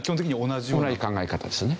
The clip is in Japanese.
同じ考え方ですね。